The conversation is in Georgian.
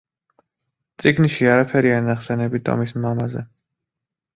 წიგნში არაფერია ნახსენები ტომის მამაზე.